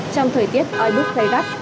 trong thời tiết oi bức gây gắt